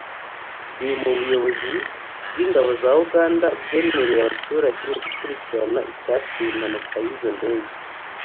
biri mubyo ubuyobozi bw’ingabo za Uganda bwemereye abaturage gukurikirana icyateye impanuka y’izo ndege